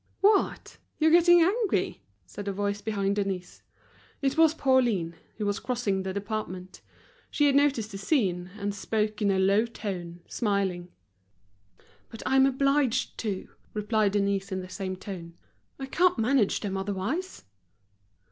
"What! you're getting angry?" said a voice behind Denise. It was Pauline, who was crossing the department. She had noticed the scene, and spoke in a low tone, smiling. "But I'm obliged to," replied Denise in the same tone, "I can't manage them otherwise."